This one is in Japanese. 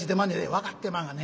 「分かってまんがな。